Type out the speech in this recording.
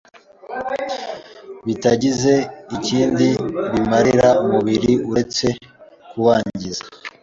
bitagize ikindi bimarira umubiri uretse kuwangiza